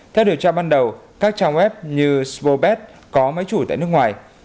theo điều tra ban đầu các trang web như spobet có máy chủ tại nước ngoài